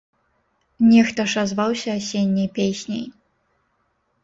Нехта ж азваўся асенняй песняй.